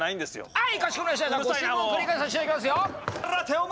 はい！